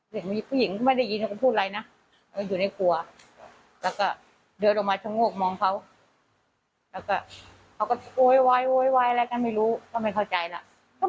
พวกเขาเถียงไว้อยู่ข้างหลังก็เขาตีกันเหม็นเหงะไปมองโอ๊ะเขาตีกัน